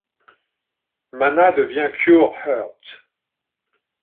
Mana devient Cure Heart!